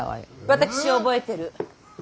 私覚えてる。